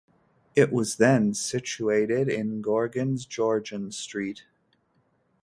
It was then situated in Gorgan's Jorjan street.